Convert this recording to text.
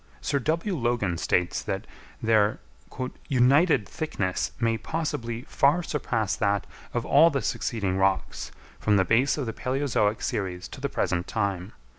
Sir W. Logan states that their "united thickness may possibly far surpass that of all the succeeding rocks, from the base of the palæozoic series to the present time.